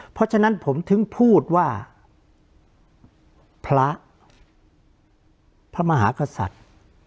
เพราะฉะนั้นผมถึงพูดว่าพระพระมหากษัตริย์